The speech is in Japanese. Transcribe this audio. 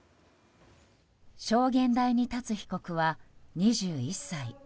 証言台に立つ被告は２１歳。